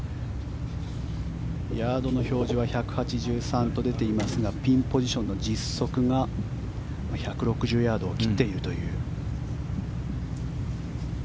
ヤードの表示は１８３と出ていますがピンポジションの実測が１６０ヤードを切っているという。